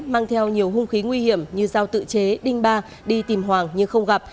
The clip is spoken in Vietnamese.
mang theo nhiều hung khí nguy hiểm như dao tự chế đinh ba đi tìm hoàng nhưng không gặp